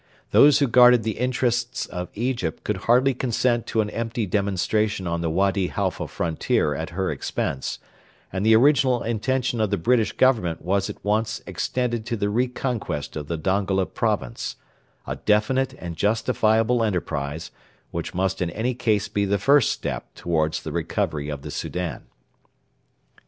Those who guarded the interests of Egypt could hardly consent to an empty demonstration on the Wady Halfa frontier at her expense, and the original intention of the British Government was at once extended to the re conquest of the Dongola province a definite and justifiable enterprise which must in any case be the first step towards the recovery of the Soudan.